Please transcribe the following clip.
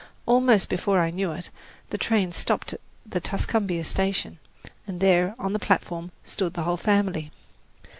Almost before I knew it, the train stopped at the Tuscumbia station, and there on the platform stood the whole family.